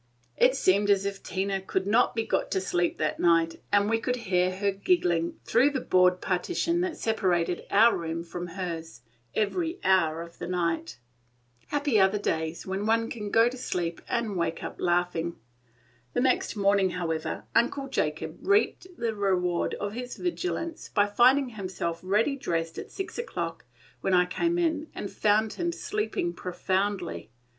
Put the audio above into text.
It seemed as if Tina could not be got to sleep that night, and we could hear her giggling, through the board partition that separated our room from hers, every hour of the night. Happy are the days when one can go to sleep and wake up laughing. The next morning, however, Uncle Jacob reaped the reward of his vigilance by finding himself ready dressed at six o'clock, when I came in and found him sleeping profoundly.